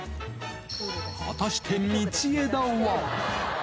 果たして道枝は？